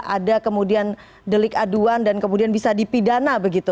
ada kemudian delik aduan dan kemudian bisa dipidana begitu